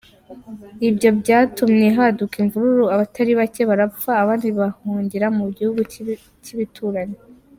Ibyo byatumye haduka imvururu abatari bake barapfa abandi bahungira mu bihugu by’ibituranyi.